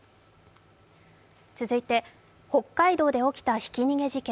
続いて、北海道で起きたひき逃げ事件。